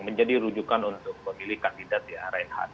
menjadi rujukan untuk memilih kandidat di arnh